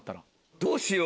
どうしよう。